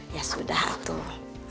ya sudah tuh